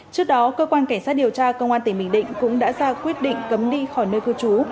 trước đó cơ quan cảnh sát điều tra công an tỉnh bình định cũng đã ra quyết định cấm đi khỏi nơi cư trú